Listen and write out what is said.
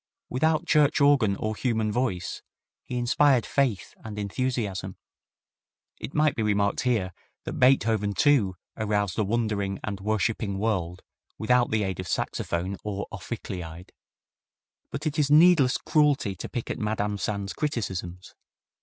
Without church organ or human voice he inspired faith and enthusiasm." It might be remarked here that Beethoven, too, aroused a wondering and worshipping world without the aid of saxophone or ophicleide. But it is needless cruelty to pick at Madame Sand's criticisms.